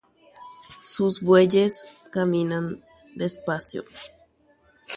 Hymba guéi kuéra oguata mbegue.